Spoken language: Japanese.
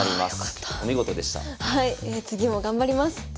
次も頑張ります。